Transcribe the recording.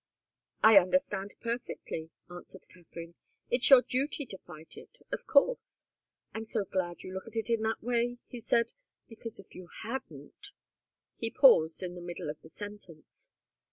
"I understand perfectly," answered Katharine. "It's your duty to fight it of course." "I'm so glad you look at it in that way," he said. "Because if you didn't " He paused in the middle of the sentence.